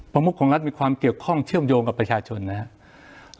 ประมุขของรัฐมีความเกี่ยวข้องเชื่อมโยงกับประชาชนนะครับ